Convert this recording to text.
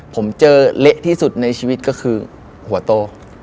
ผมเจอเละที่สุดในชีวิตก็คือหัวโต